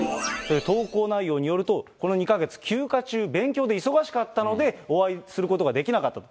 投稿内容によると、この２か月、休暇中、勉強で忙しかったので、お会いすることができなかった。